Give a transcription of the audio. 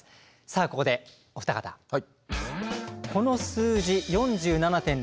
さあここでお二方この数字４７．６％熊本地震。